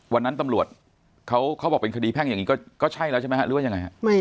วันนั้นตำรวจเขาบอกเป็นคดีแพ่งอย่างนี้ก็ใช่แล้วใช่ไหมฮะหรือว่ายังไงฮะ